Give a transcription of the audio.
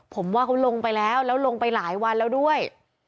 ผมว่าเขาลงไปแล้วแล้วลงไปหลายวันแล้วด้วย